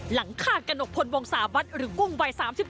หลังข้ากกระหนกพลวงศาวัฒน์หรือวงวัย๓๗